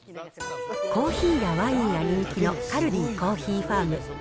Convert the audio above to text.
コーヒーやワインが人気のカルディコーヒーファーム。